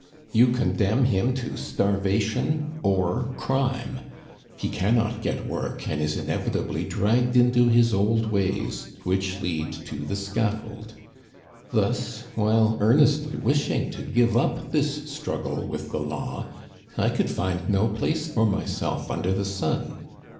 You condemn him to starvation or crime. He cannot get work, and is inevitably dragged into his old ways, which lead to the scaffold. "Thus, while earnestly wishing to give up this struggle with the law, I could find no place for myself under the sun.